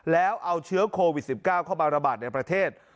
แล้วเอาเชื้อโควิด๑๙เข้ามาระบาดในประเทศ